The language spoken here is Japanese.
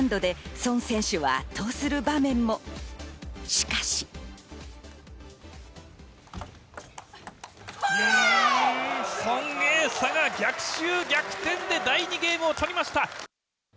ソン・エイサが逆襲、逆転で第２ゲームを取りました。